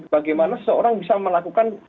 bagaimana seorang bisa melakukan